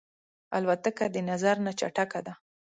الوتکه د نظر نه چټکه ده.